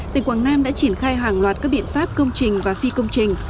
tỉnh quảng nam đã triển khai hàng loạt các biện pháp công trình và phi công trình